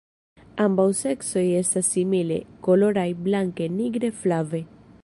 Ambaŭ seksoj estas simile koloraj, blanke, nigre, flave.